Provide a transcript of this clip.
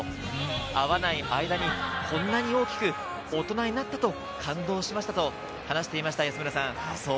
会わない間にこんなに大きく大人になったと、感動しましたと話していました。